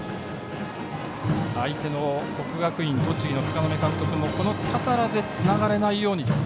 相手の国学院栃木の柄目監督も多田羅でつながれないようにと。